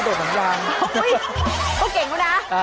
ก็เก่งแล้วนะ